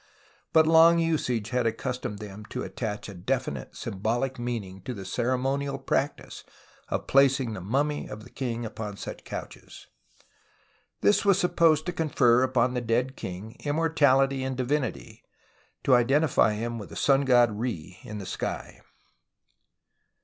But long usage had accustomed them to attach a definite symbolic meaning to the ceremonial practice of placing the mummy of the king upon such couches. This was supposed to confer upon the dead king immortality and divinity, to identify him with the sun god Re in the sky.